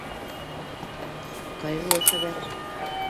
Ҡайғылы хәбәр